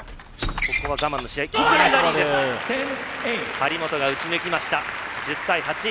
張本が打ち抜きました、１０対８。